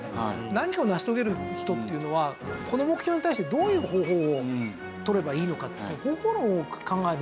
何かを成し遂げる人っていうのはこの目標に対してどういう方法をとればいいのかとか。